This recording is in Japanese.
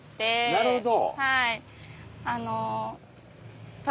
なるほど。